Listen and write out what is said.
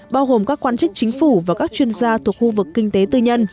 bao gồm các quan chức chính phủ và các chuyên gia thuộc khu vực kinh tế tư nhân